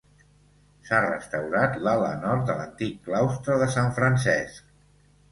S'ha restaurat l'ala nord de l'antic Claustre de Sant Francesc.